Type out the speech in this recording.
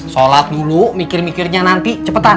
sholat dulu mikir mikirnya nanti cepetan